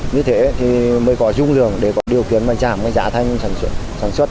như thế mới có dung lượng để có điều kiện giảm giá thanh sản xuất